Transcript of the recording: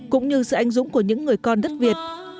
cũng như sự anh dũng của những người con đất việt